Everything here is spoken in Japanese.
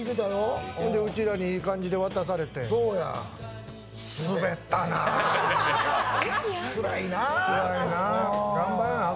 ほんでうちらにいい感じで渡されて、スベったなあ。